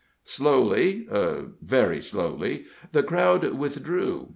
Slowly very slowly the crowd withdrew.